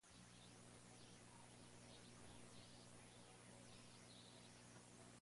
Es un ejemplo temprano de mapas del mundo neerlandeses altamente decorados.